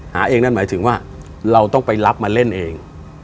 หาเองนั่นหมายถึงว่าเราต้องไปรับมาเล่นเอง